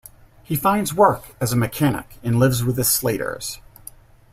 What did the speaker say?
He finds work as a mechanic and lives with the Slaters.